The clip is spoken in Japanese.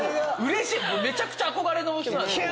めちゃくちゃ憧れの人なんで。